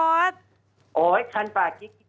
โอ้ยคันปากยิกนะผม